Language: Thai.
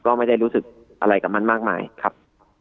ก็ไม่ได้รู้สึกอะไรกับมันมากมายครับ